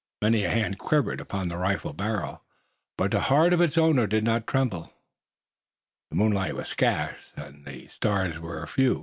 Many a hand quivered upon the rifle barrel, but the heart of its owner did not tremble. The moonlight was scant and the stars were few.